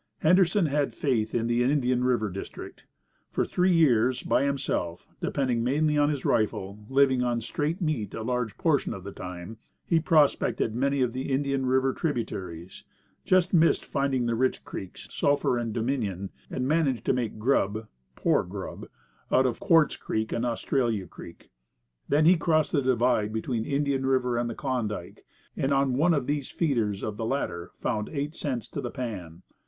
Henderson had faith in the Indian River district. For three years, by himself, depending mainly on his rifle, living on straight meat a large portion of the time, he prospected many of the Indian River tributaries, just missed finding the rich creeks, Sulphur and Dominion, and managed to make grub (poor grub) out of Quartz Creek and Australia Creek. Then he crossed the divide between Indian River and the Klondike, and on one of the "feeders" of the latter found eight cents to the pan.